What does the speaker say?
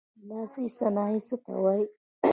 لاسي صنایع څه ته وايي.